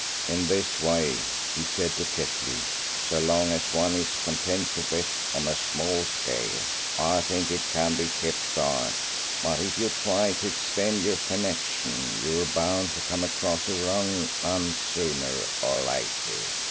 "In this way," he said to Ketley, "so long as one is content to bet on a small scale, I think it can be kept dark; but if you try to extend your connection you're bound to come across a wrong 'un sooner or later.